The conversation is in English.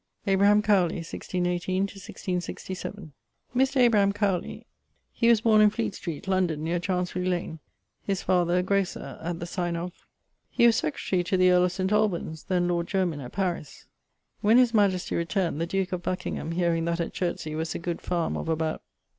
=Abraham Cowley= (1618 1667). Mr. Abraham Cowley[CW]: he was borne in Fleet street, London, neer Chancery lane; his father a grocer, at the signe of.... He was secretarie to the earle of St. Alban's (then lord Jermyn) at Paris. When his majestie returned, the duke of Buckingham hearing that at Chertsey was a good farme of about